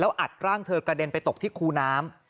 อัดร่างเธอกระเด็นไปตกที่คูน้ำ